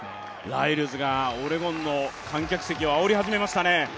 ライルズがオレゴンの観客席をあおり始めましたね。